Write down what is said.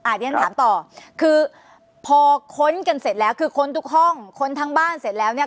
เดี๋ยวฉันถามต่อคือพอค้นกันเสร็จแล้วคือค้นทุกห้องค้นทั้งบ้านเสร็จแล้วเนี่ย